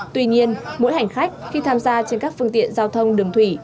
tuy nhiên mỗi hành khách khi tham gia trên các phương tiện giao thông đường thủy